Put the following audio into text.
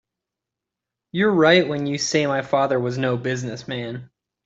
You're right when you say my father was no business man.